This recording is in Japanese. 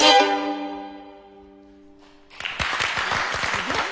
すごい！